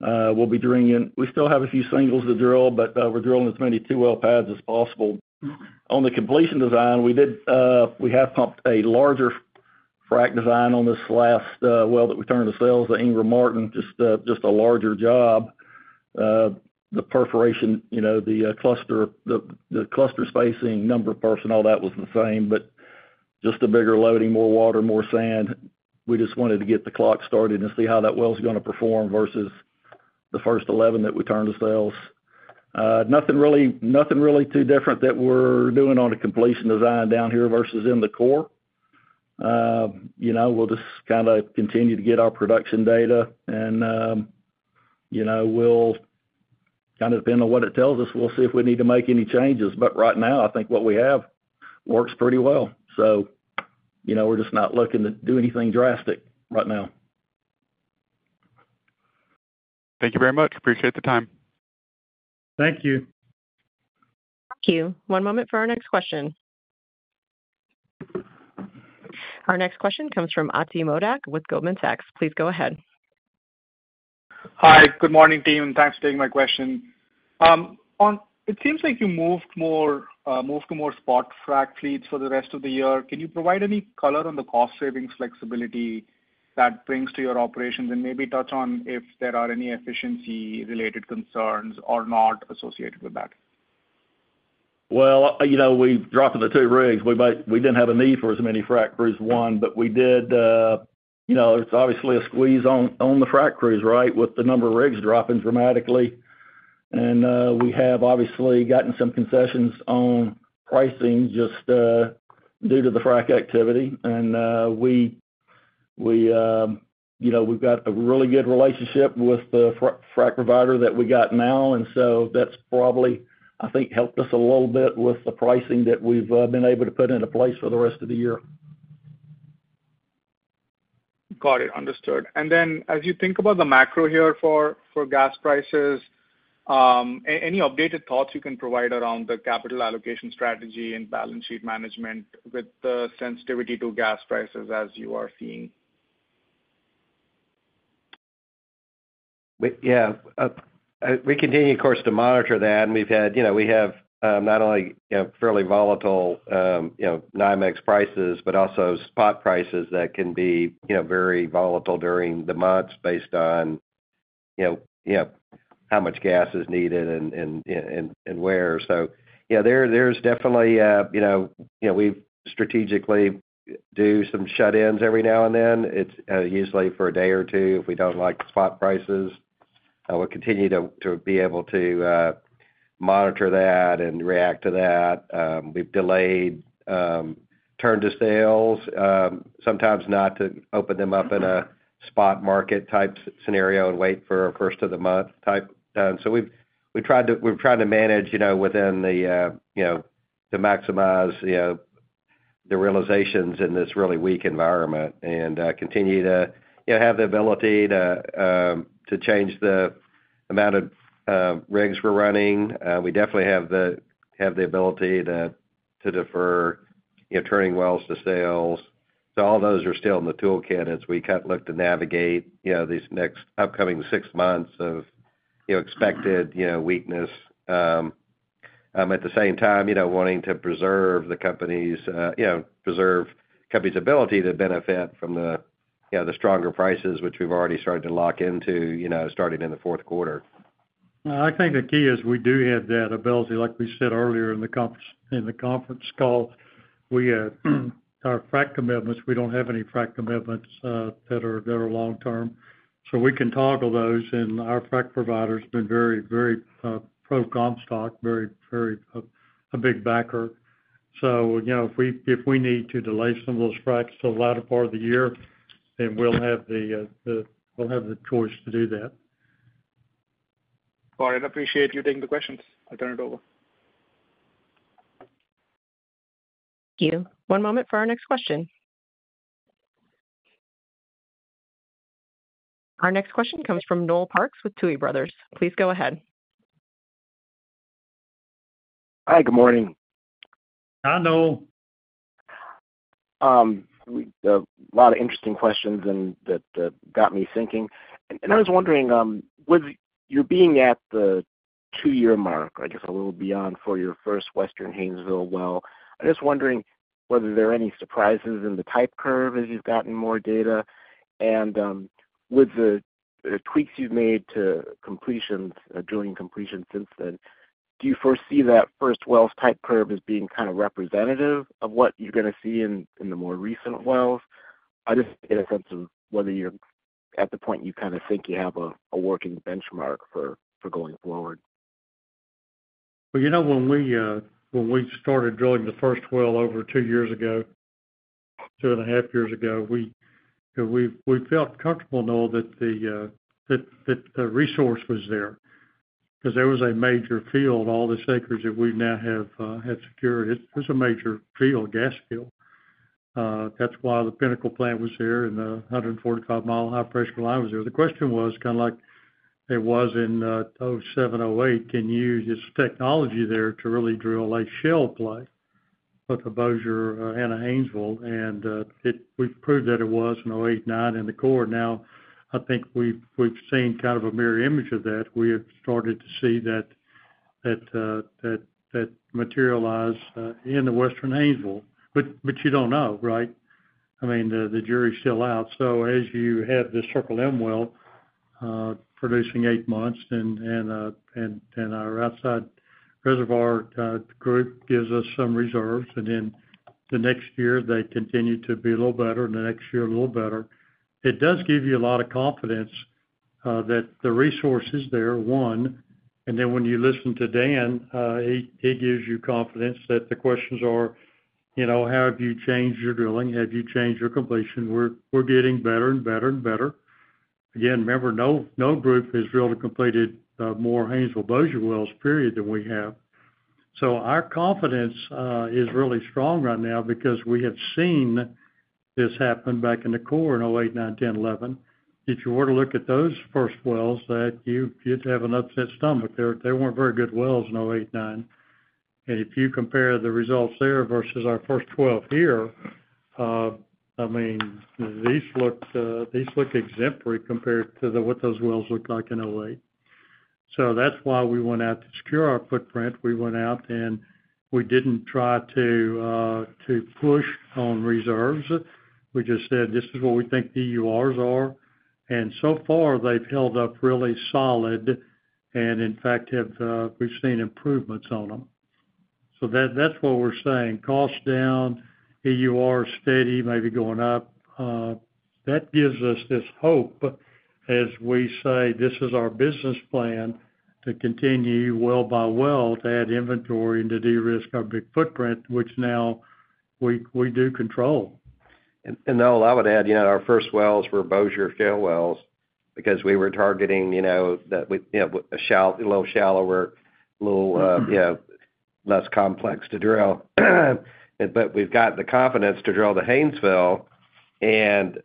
We'll be doing. We still have a few singles to drill, but, we're drilling as many two well pads as possible. On the completion design, we did, we have pumped a larger frack design on this last well that we turned to sales, the Ingram Martin, just a larger job. The perforation, the cluster, the cluster spacing, number of personnel, that was the same, but just a bigger loading, more water, more sand. We just wanted to get the clock started and see how that well's gonna perform versus the first 11 that we turned to sales. Nothing really, nothing really too different that we're doing on a completion design down here versus in the core. We'll just kind of continue to get our production data and we'll kind of depend on what it tells us, we'll see if we need to make any changes. But right now, I think what we have works pretty well. So we're just not looking to do anything drastic right now. Thank you very much. Appreciate the time. Thank you. Thank you. One moment for our next question. Our next question comes from Ati Modak with Goldman Sachs. Please go ahead. Hi, good morning, team, and thanks for taking my question. It seems like you moved more, moved to more spot frac fleets for the rest of the year. Can you provide any color on the cost savings flexibility that brings to your operations? And maybe touch on if there are any efficiency-related concerns or not associated with that? Well, we've dropped the two rigs. We didn't have a need for as many frac crews, but we did, you know, it's obviously a squeeze on the frac crews, right? With the number of rigs dropping dramatically. We have obviously gotten some concessions on pricing just due to the frac activity. We've got a really good relationship with the frac provider that we got now, and so that's probably, I think, helped us a little bit with the pricing that we've been able to put into place for the rest of the year. Got it. Understood. And then, as you think about the macro here for gas prices, any updated thoughts you can provide around the capital allocation strategy and balance sheet management with the sensitivity to gas prices as you are seeing? We continue, of course, to monitor that, and we've had, we have, not only, fairly volatile NYMEX prices, but also spot prices that can be, you know, very volatile during the months based on, yep, how much gas is needed and where. So, yeah, there, there's definitely, we strategically do some shut-ins every now and then. It's usually for a day or two, if we don't like the spot prices. We'll continue to be able to monitor that and react to that. We've delayed turn to sales, sometimes not to open them up in a spot market type scenario and wait for a first of the month type. So we've tried to manage, within the, to maximize the realizations in this really weak environment and, continue to have the ability to change the amount of rigs we're running. We definitely have the ability to defer, turning wells to sales. So all those are still in the toolkit as we kind of look to navigate these next upcoming six months of expected weakness. At the same time, wanting to preserve the company's, preserve company's ability to benefit from the stronger prices, which we've already started to lock into starting in the fourth quarter. I think the key is we do have that ability, like we said earlier in the conference call. We, our frac commitments, we don't have any frac commitments that are long term, so we can toggle those. And our frac provider's been very, very pro Comstock, very, very big backer. So, you know, if we need to delay some of those fracs to the latter part of the year, then we'll have the choice to do that. All right. I appreciate you taking the questions. I turn it over. Thank you. One moment for our next question. Our next question comes from Noel Parks with Tuohy Brothers. Please go ahead. Hi, good morning. Hi, Noel. A lot of interesting questions and that got me thinking. And I was wondering, with you being at the two-year mark, I guess, a little beyond, for your first Western Haynesville well, I'm just wondering whether there are any surprises in the type curve as you've gotten more data? And, with the tweaks you've made to completions during completion since then, do you foresee that first wells type curve as being kind of representative of what you're gonna see in the more recent wells? I just get a sense of whether you're at the point you kind of think you have a working benchmark for going forward. Well, when we started drilling the first well over two years ago, two and a half years ago, we felt comfortable, Noel, that the resource was there. 'Cause there was a major field, all this acreage that we now have had secured. It's a major field, gas field. That's why the Pinnacle plant was there and the 145-mile high-pressure line was there. The question was, kind of like it was in 2007, 2008, can you use this technology there to really drill a shale play with the Bossier and Haynesville? And we've proved that it was in 2008, 2009 in the core. Now, I think we've seen kind of a mirror image of that. We have started to see that materialize in the Western Haynesville. But you don't know, right? I mean, the jury's still out. So as you have the Circle M well producing eight months and our outside reservoir group gives us some reserves, and then the next year, they continue to be a little better, and the next year, a little better. It does give you a lot of confidence that the resource is there, one, and then when you listen to Dan, he gives you confidence that the questions are, how have you changed your drilling? Have you changed your completion? We're getting better and better and better. Again, remember, no group has drilled and completed more Haynesville Bossier wells, period, than we have. So our confidence is really strong right now because we have seen this happen back in the core in 2008, 2009, 2010, 2011. If you were to look at those first wells that you, you'd have an upset stomach. They weren't very good wells in 2008, 2009. And if you compare the results there versus our first 12 here, I mean, these look exemplary compared to what those wells looked like in 2008. So that's why we went out to secure our footprint. We went out, and we didn't try to push on reserves. We just said, "This is what we think EURs are." And so far, they've held up really solid and, in fact, we've seen improvements on them. So that's what we're saying, cost down, EUR steady, maybe going up. That gives us this hope, as we say, this is our business plan to continue well by well, to add inventory and to de-risk our big footprint, which now we do control. Noel, I would add, our first wells were Bossier Shale wells because we were targeting, that we, a little shallower, a little less complex to drill. But we've got the confidence to drill the Haynesville, and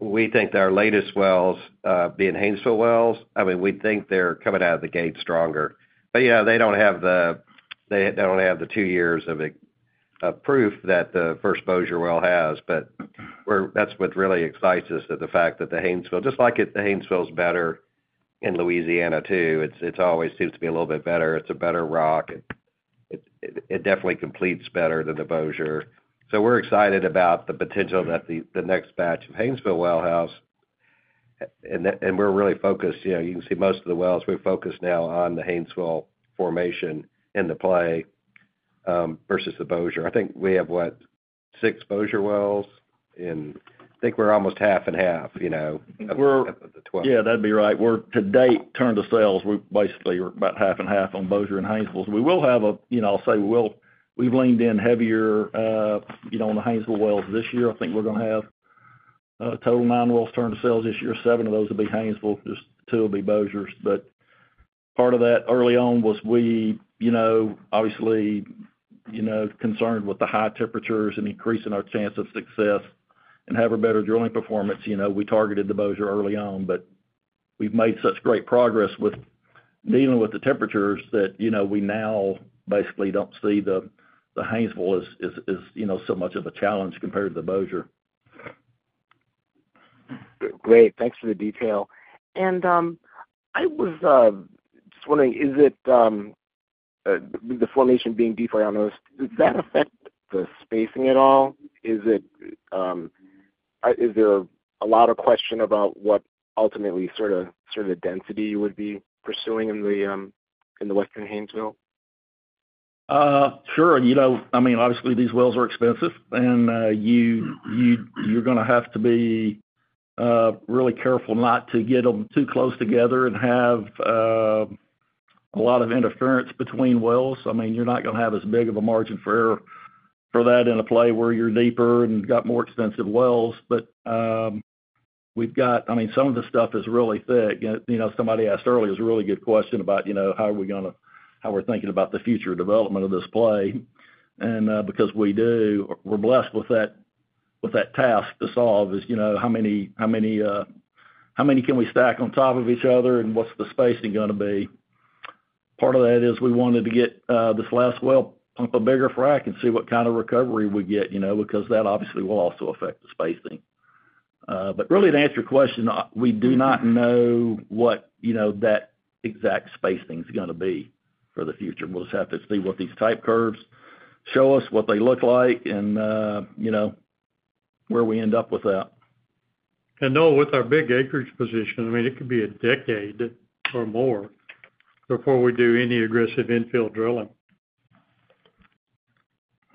we think that our latest wells, being Haynesville wells, I mean, we think they're coming out of the gate stronger. But, yeah, they don't have the, they don't have the two years of proof that the first Bossier well has. But that's what really excites us, is the fact that the Haynesville. Just like it, the Haynesville's better in Louisiana, too. It's always seems to be a little bit better. It's a better rock. It definitely completes better than the Bossier. So we're excited about the potential that the next batch of Haynesville well has, and we're really focused. You can see most of the wells, we're focused now on the Haynesville formation and the play, versus the Bossier. I think we have, what, six Bossier wells? And I think we're almost half and half, of the 12. Yeah, that'd be right. To date, turned to sales, we basically are about half and half on Bossier and Haynesville. So we will have, I'll say we will, we've leaned in heavier on the Haynesville wells this year. I think we're gonna have a total of nine wells turned to sales this year. Seven of those will be Haynesville, just two will be Bossiers. But part of that, early on, was we obviously concerned with the high temperatures and increasing our chance of success and have a better drilling performance. We targeted the Bossier early on, but we've made such great progress with dealing with the temperatures that we now basically don't see the Haynesville as so much of a challenge compared to the Bossier. Great. Thanks for the detail. I was just wondering, is it the formation being deeper, I noticed, does that affect the spacing at all? Is there a lot of question about what, ultimately, sort of, sort of the density you would be pursuing in the Western Haynesville? Sure. I mean, obviously, these wells are expensive, and, you, you, you're gonna have to be really careful not to get them too close together and have a lot of interference between wells. I mean, you're not gonna have as big of a margin for error for that in a play where you're deeper and got more expensive wells. But, we've got, I mean, some of this stuff is really thick. And somebody asked earlier, it was a really good question about, you know, how are we gonna, how we're thinking about the future development of this play. And, because we do, we're blessed with that, with that task to solve is, how many, how many, how many can we stack on top of each other? And what's the spacing gonna be? Part of that is we wanted to get, this last well, pump a bigger frack, and see what kind of recovery we get, because that obviously will also affect the spacing. But really, to answer your question, we do not know what that exact spacing is gonna be for the future. We'll just have to see what these type curves show us, what they look like, and where we end up with that. Noel, with our big acreage position, I mean, it could be a decade or more before we do any aggressive infill drilling.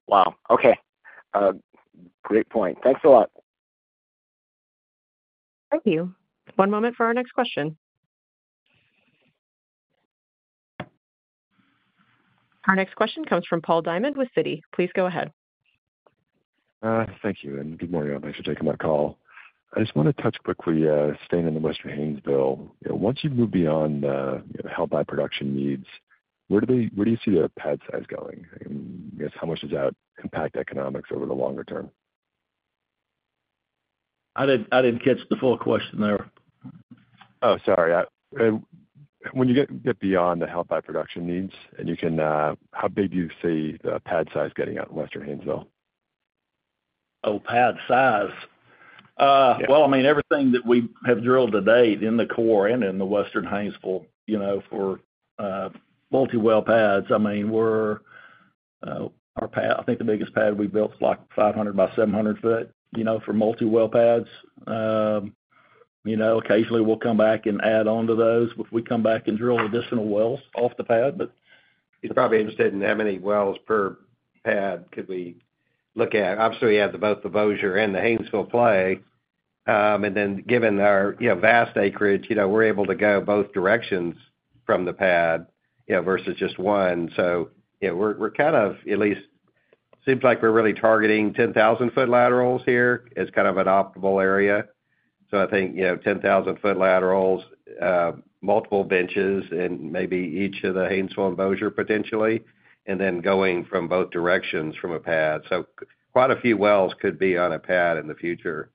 Wow! Okay. Great point. Thanks a lot. Thank you. One moment for our next question. Our next question comes from Paul Diamond with Citi. Please go ahead. Thank you, and good morning, all. Thanks for taking my call. I just wanna touch quickly, staying in the Western Haynesville. Once you move beyond, held by production needs, where do you see the pad size going? And I guess, how much does that impact economics over the longer term? I didn't catch the full question there. Oh, sorry. When you get beyond the held by production needs, and you can, how big do you see the pad size getting out in Western Haynesville? Oh, pad size? Yeah. Well, I mean, everything that we have drilled to date in the core and in the Western Haynesville, for multi-well pads, I mean, we're, our pad. I think the biggest pad we built is, like, 500 by 700 foot, you know, for multi-well pads. You know, occasionally, we'll come back and add on to those if we come back and drill additional wells off the pad. He's probably interested in how many wells per pad could we look at. Obviously, you have both the Bossier and the Haynesville play. And then, given our vast acreage, we're able to go both directions from the pad, versus just one. So, we're kind of, at least, seems like we're really targeting 10,000-foot laterals here as kind of an optimal area. So I think 10,000-foot laterals, multiple benches, and maybe each of the Haynesville and Bossier, potentially, and then going from both directions from a pad. So quite a few wells could be on a pad in the future,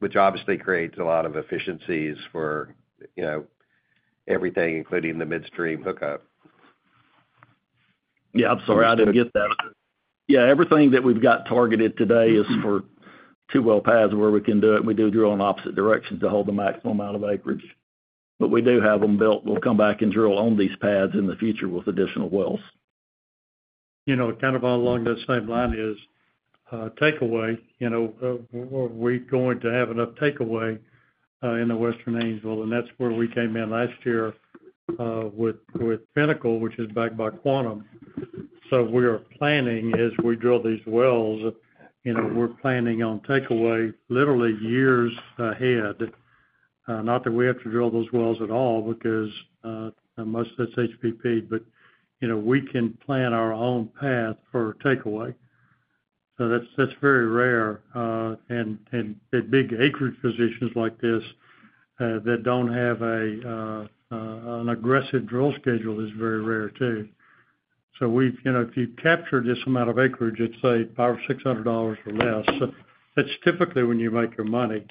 which obviously creates a lot of efficiencies for everything, including the midstream hookup. Yeah, I'm sorry, I didn't get that. Yeah, everything that we've got targeted today is for two well pads where we can do it, and we do drill in opposite directions to hold the maximum amount of acreage. But we do have them built. We'll come back and drill on these pads in the future with additional wells. Along those same line is takeaway. Were we going to have enough takeaway in the Western Haynesville? And that's where we came in last year with Pinnacle, which is backed by Quantum. So we are planning, as we drill these wells, we're planning on takeaway literally years ahead. Not that we have to drill those wells at all, because most of that's HBP, but we can plan our own path for takeaway. So that's very rare, and big acreage positions like this that don't have an aggressive drill schedule is very rare too. So we've you know, if you capture this amount of acreage, it's, say, $600 or less. So that's typically when you make your money.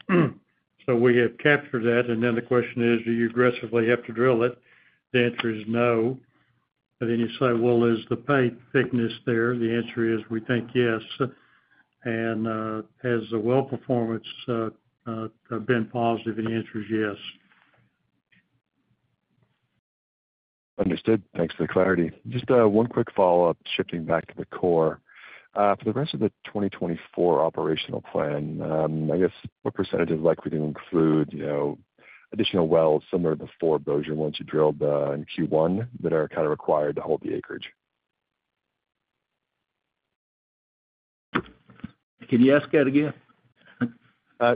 So we have captured that, and then the question is, do you aggressively have to drill it? The answer is no. But then you say, "Well, is the pay thickness there?" The answer is, we think yes. And, has the well performance, been positive? And the answer is yes. Understood. Thanks for the clarity. Just one quick follow-up, shifting back to the core. For the rest of the 2024 operational plan, I guess, what percentage are you likely to include additional wells, similar to the four Bossier ones you drilled in Q1, that are kind of required to hold the acreage? Can you ask that again?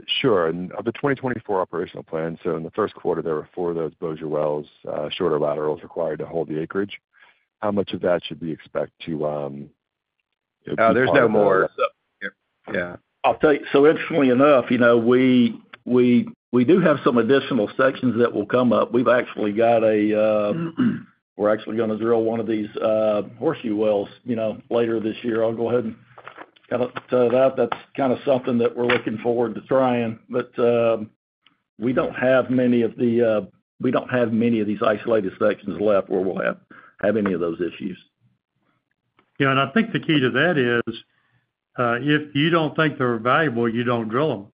Sure. Of the 2024 operational plan, so in the first quarter, there were four of those Bossier wells, shorter laterals required to hold the acreage. How much of that should we expect to, There's no more. So, yeah. I'll tell you. So interestingly enough, we do have some additional sections that will come up. We've actually got a, we're actually gonna drill one of these, horseshoe wells later this year. I'll go ahead and kind of tell you that. That's kind of something that we're looking forward to trying, but, we don't have many of the, we don't have many of these isolated sections left where we'll have any of those issues. Yeah, and I think the key to that is, if you don't think they're valuable, you don't drill them.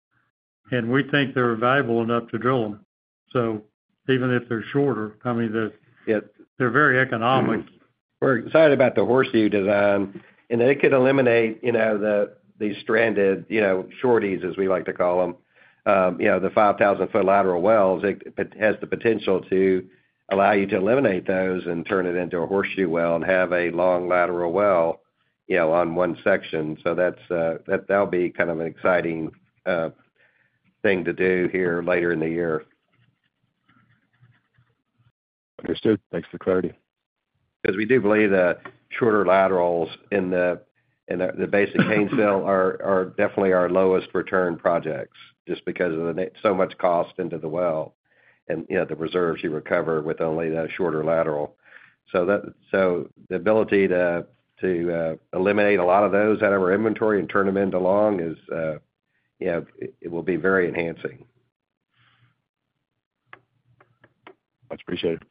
And we think they're valuable enough to drill them. So even if they're shorter, I mean, they're very economic. We're excited about the horseshoe design, and it could eliminate the stranded shorties, as we like to call them. The 5,000-foot lateral wells, it has the potential to allow you to eliminate those and turn it into a horseshoe well and have a long lateral well on one section. So that's, that'll be kind of an exciting thing to do here later in the year. Understood. Thanks for the clarity. 'Cause we do believe that shorter laterals in the basin, Haynesville are definitely our lowest return projects, just because of the so much cost into the well and the reserves you recover with only the shorter lateral. So that, so the ability to eliminate a lot of those out of our inventory and turn them into long is, it will be very enhancing. Much appreciated.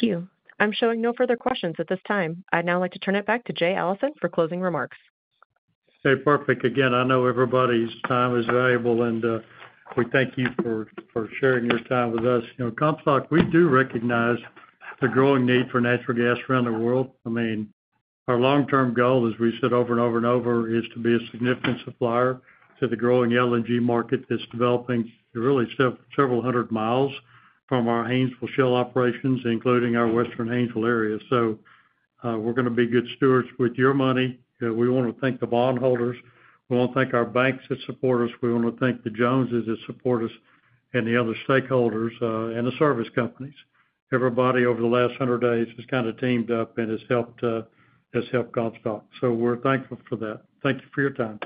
Thank you. I'm showing no further questions at this time. I'd now like to turn it back to Jay Allison for closing remarks. Hey, perfect. Again, I know everybody's time is valuable, and we thank you for sharing your time with us. Comstock, we do recognize the growing need for natural gas around the world. I mean, our long-term goal, as we've said over and over and over, is to be a significant supplier to the growing LNG market that's developing really several hundred miles from our Haynesville Shale operations, including our Western Haynesville area. So, we're gonna be good stewards with your money. We want to thank the bondholders, we want to thank our banks that support us, we want to thank the Joneses that support us, and the other stakeholders, and the service companies. Everybody over the last 100 days has kind of teamed up and has helped Comstock, so we're thankful for that. Thank you for your time.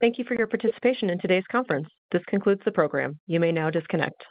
Thank you for your participation in today's conference. This concludes the program. You may now disconnect.